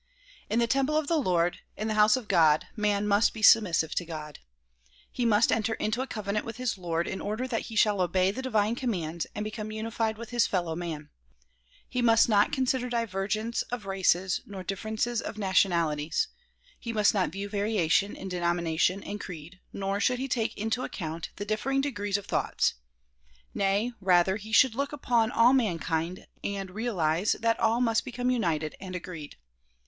In the temple of the Lord, in the house of God, man must be submissive to God. He must enter into a covenant with his Lord in order that he shall obey the divine commands and become unified with his fellow man. He must not consider divergence of races nor difference of nationalities; he must not view variation in denomination and creed nor should he take into account the ditfering degrees of thoughts; nay, rather, he should look upon all as mankind and realize that all must be come united and agreed.